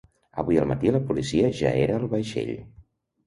Avui al matí la policia ja era al vaixell.